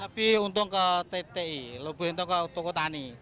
lebih untung ke tti lebih untung ke toko tani